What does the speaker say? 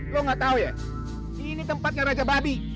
lo gatau ya ini tempatnya raja babi